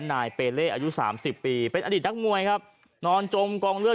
นายเปเล่อายุสามสิบปีเป็นอดีตนักมวยครับนอนจมกองเลือด